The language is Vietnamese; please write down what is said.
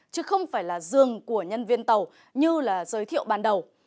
chứ không phải là dường của nhân viên tàu như là giới thiệu ban đầu